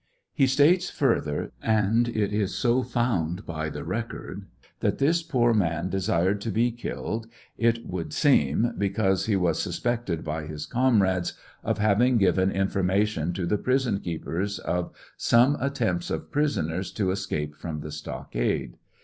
He states further, and it is so found by the record, that this poor man desired to be killed, it would seem, because he was suspected by his comrades of having given information to the prison keepers of some attempts of prisoners to escape from the stockade.